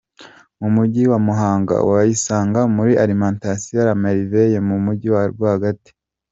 Mu mujyi wa Muhanga ,wayisanga muri alimentation la Merveille mu mujyi rwagati.